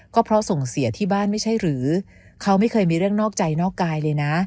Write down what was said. ก็เพราะส่งเสียที่บ้านไม่ใช่หรือเขาไม่เคยมีเรื่องนอกใจนอกกายเลยนะ